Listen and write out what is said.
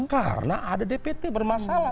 karena ada dpt bermasalah